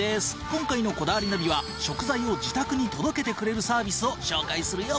今回の『こだわりナビ』は食材を自宅に届けてくれるサービスを紹介するよ。